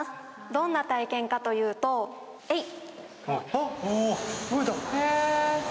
どんな体験かというと、えいっ。